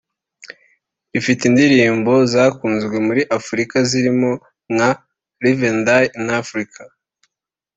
rifite indirimbo zakunzwe muri Afurika zirimo nka Live and Die in Africa